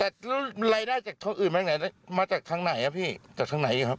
ในที่เลี้ยงลายได้จากทั่วอื่นมาจากทางไหนครับ